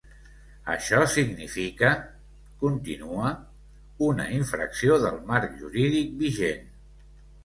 Això significa, continua, una “infracció del marc jurídic vigent”.